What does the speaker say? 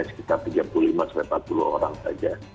sekitar tiga puluh lima sampai empat puluh orang saja